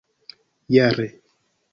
jare